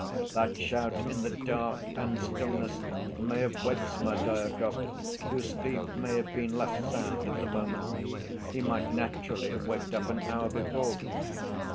That shout in the dark and stillness may have waked Smerdyakov whose sleep may have been less sound at the moment: he might naturally have waked up an hour before.